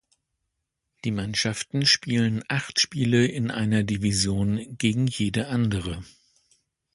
Die Mannschaften spielen acht Spiele in einer Division gegen jede andere.